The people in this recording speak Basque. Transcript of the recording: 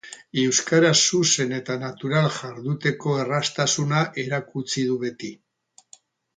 Euskaraz zuzen eta natural jarduteko erraztasuna erakutsi du beti.